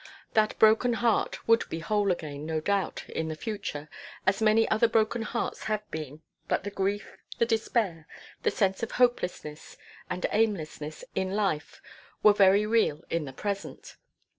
That broken heart would be whole again, no doubt, in the future, as many other broken hearts have been; but the grief, the despair, the sense of hopelessness and aimlessness in life were very real in the present.